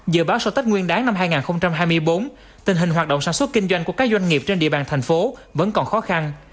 dự báo sau tết nguyên đáng năm hai nghìn hai mươi bốn tình hình hoạt động sản xuất kinh doanh của các doanh nghiệp trên địa bàn thành phố vẫn còn khó khăn